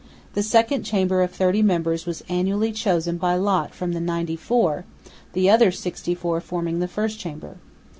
The Second Chamber of thirty members was annually chosen by lot from the ninety four, the other sixty four forming the First Chamber.